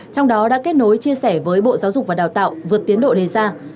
trong đó đã kết nối chia sẻ với bộ giáo dục và đào tạo vượt tiến độ đề ra